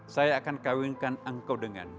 saya akan menikah dengan anda